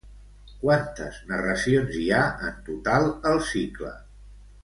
Quantes narracions hi ha en total al cicle?